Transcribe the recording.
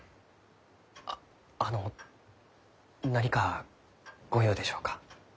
ああの何かご用でしょうか？